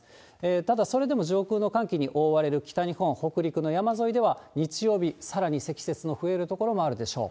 ただ、それでも上空の寒気に覆われる北日本、北陸の山沿いでは、日曜日、さらに積雪の増える所もあるでしょう。